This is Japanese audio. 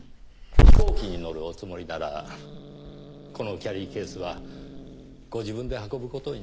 飛行機に乗るおつもりならこのキャリーケースはご自分で運ぶ事になります。